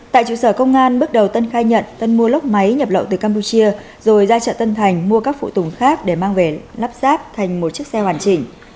tại trụ sở công an bước đầu tân khai nhận tân mua lốc máy nhập lậu từ campuchia rồi ra chợ tân thành mua các phụ tùng khác để mang về lắp ráp thành một chiếc xe hoàn chỉnh